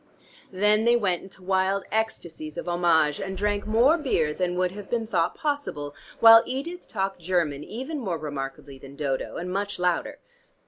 Then they went into wild ecstasies of homage; and drank more beer than would have been thought possible, while Edith talked German even more remarkably than Dodo, and much louder.